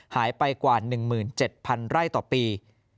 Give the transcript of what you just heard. หายไปกว่า๑๗๐๐ไร่ต่อปี